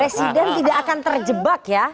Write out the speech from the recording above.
presiden tidak akan terjebak ya